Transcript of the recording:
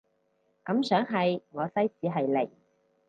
感想係我西史係零